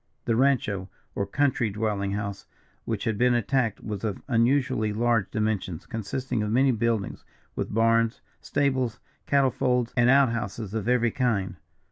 "The rancho or country dwelling house which had been attacked was of unusually large dimensions, consisting of many buildings, with barns, stables, cattle folds, and out houses of every kind.